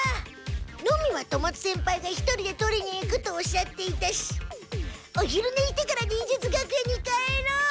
ノミは富松先輩が一人で取りに行くとおっしゃっていたしお昼ねしてから忍術学園に帰ろう。